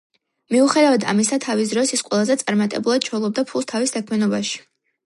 მიუხედავად ამისა, თავის დროს ის ყველაზე წარმატებულად შოულობდა ფულს თავის საქმიანობაში.